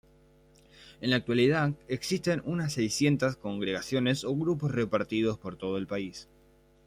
En la actualidad existen unas seiscientas congregaciones o grupos repartidos por todo el país.